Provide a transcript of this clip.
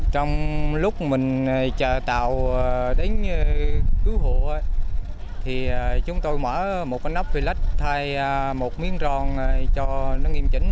trong lúc mình chờ tàu đến cứu hộ thì chúng tôi mở một cái nắp phi lắc thay một miếng ròn cho nó nghiêm trình